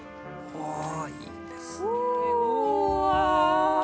おいいですね。